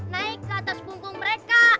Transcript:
naik ke atas punggung mereka